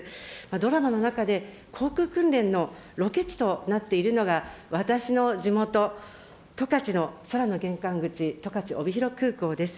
ドラマの中で、航空訓練のロケ地となっているのが、私の地元、十勝の空の玄関口、十勝帯広空港です。